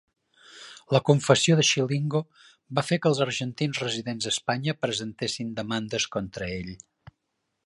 La confessió de Scilingo va fer que els argentins residents a Espanya presentessin demandes contra ell.